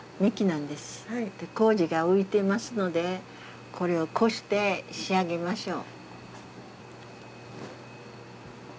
麹が浮いてますのでこれをこして仕上げましょう。